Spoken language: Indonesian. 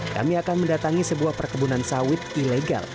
kami akan mendatangi sebuah perkebunan sawit ilegal